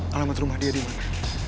alamat rumah dia dimana